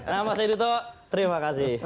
nama saya duto terima kasih